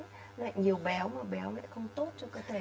lại nhiều béo mà béo lại không tốt cho cơ thể